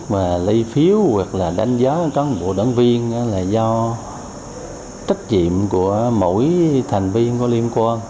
mà lấy phiếu hoặc là đánh giá cán bộ đảng viên là do trách nhiệm của mỗi thành viên có liên quan